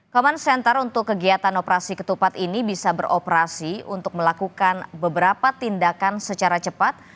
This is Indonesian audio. common center untuk kegiatan operasi ketupat ini bisa beroperasi untuk melakukan beberapa tindakan secara cepat